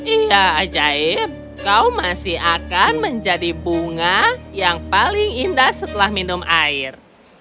iya ajaib kau masih akan menjadi bunga yang paling indah setelah minum air